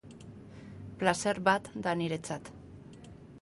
Plazer bat da niretzat.